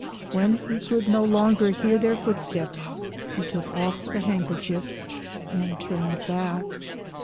When he could no longer hear their foot steps, he took off the handkerchief, and turned back.